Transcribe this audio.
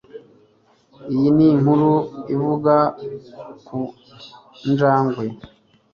Iyi ni inkuru ivuga ku njangwe